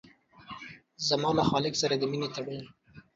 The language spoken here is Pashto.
زما له خالق سره د مينې تړون